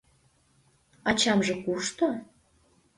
Ачамже кушто?